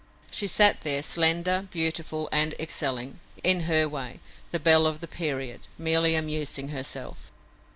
She sat there, slender, beautiful and excelling, in her way, the belle of the period, merely amusing herself.